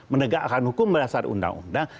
menegakkan hukum berdasar undang undang